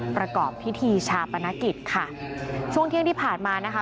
ประกอบพิธีชาปนกิจค่ะช่วงเที่ยงที่ผ่านมานะคะ